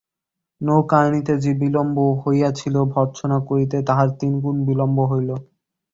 নৌকা আনিতে যে বিলম্ব হইয়াছিল ভর্ৎসনা করিতে তাহার তিন গুণ বিলম্ব হইল।